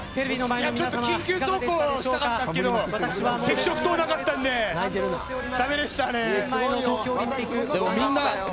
緊急走行したかったんですが赤色灯なかったのでダメでしたね。